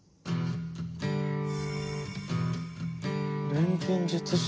錬金術師？